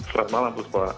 selamat malam puspa